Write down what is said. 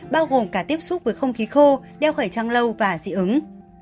bao gồm cả tiếp xúc với không khí khô đeo khẩy trăng lâu và dị ứng